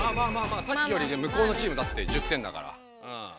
さっきよりむこうのチームだって１０点だから。